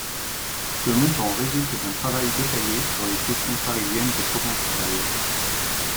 Ce montant résulte d’un travail détaillé sur les cessions parisiennes et provinciales.